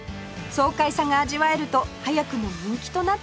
爽快さが味わえると早くも人気となっています